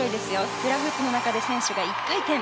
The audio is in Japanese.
フラフープの中で選手が１回転。